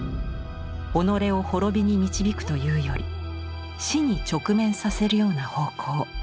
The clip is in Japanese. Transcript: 己を滅びに導くというより死に直面させるような方向